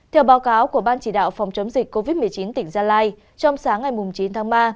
theo báo cáo của ban chỉ đạo phòng chống dịch covid một mươi chín tỉnh gia lai trong sáng ngày chín tháng ba